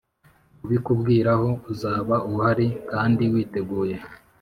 kubikubwiraho, uzaba uhari kandi witeguye